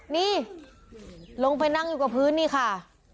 นี่ลงไปนั่งอยู่กับพื้นนี่ค่ะ